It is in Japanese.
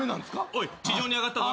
おい地上に上がったぞ。